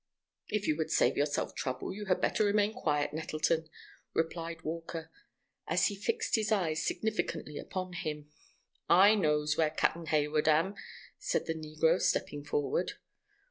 "If you would save yourself trouble you had better remain quiet, Nettleton," replied Walker, as he fixed his eyes significantly upon him. "I knows where Cap'n Hayward am," said the negro, stepping forward.